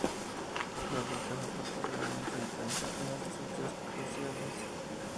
La lucha fue particularmente intensa en estos días cruciales.